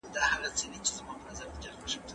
آیا ميرمن باید د رجعي طلاق په عده کې وي؟